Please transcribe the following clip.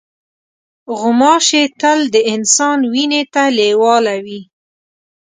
غوماشې تل د انسان وینې ته لیواله وي.